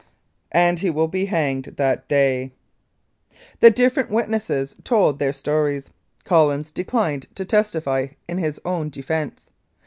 "AND HE WILL BE HANGED ' THAT DAY ' "The different witnesses told their stories. Collins declined to testify in his own defence.